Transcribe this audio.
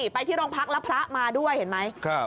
พระพุทธมาด้วยเห็นมั้ย